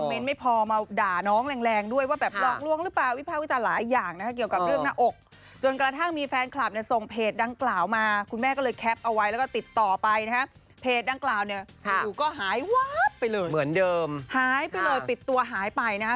เพจด้านกลางเนี่ยสิ่งอยู่ก็หายว๊าบไปเลยเหมือนเดิมหายไปเลยปิดตัวหายไปนะคะ